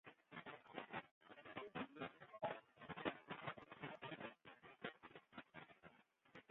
It plan soarget al wikenlang foar spanning yn it doarp.